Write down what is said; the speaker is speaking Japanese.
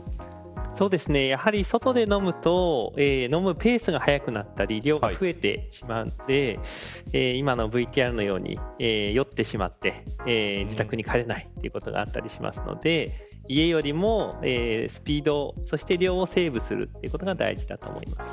やはり、外で飲むと飲むペースが早くなったり量が増えてしまって今のＶＴＲのように酔ってしまって自宅に帰れないことがあったりするので家よりも、スピードそして量をセーブすることが大事だと思います。